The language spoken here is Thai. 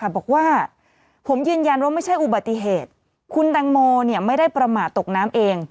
บอกว่าผมยืนยันว่าไม่ใช่อุบัติเหตุคุณแตงโมไม่ได้ประมาทตกน้ำเอง